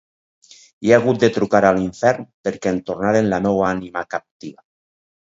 I he hagut de trucar a l'infern, perquè em tornaren la meua ànima captiva.